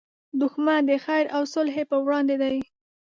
دښمن د خیر او صلحې پر وړاندې دی